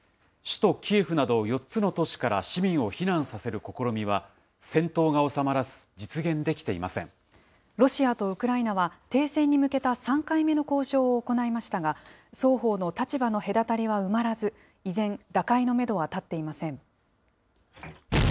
首都キエフなど４つの都市から市民を避難させる試みは、戦闘が収ロシアとウクライナは、停戦に向けた３回目の交渉を行いましたが、双方の立場の隔たりは埋まらず、依然、打開のメドは立っていません。